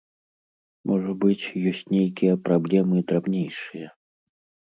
Можа быць, ёсць нейкія праблемы драбнейшыя.